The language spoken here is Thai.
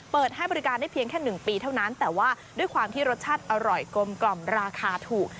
เปิดให้บริการได้เพียงแค่๑ปีเท่านั้นแต่ว่าด้วยความที่รสชาติอร่อยกลมกล่อมราคาถูก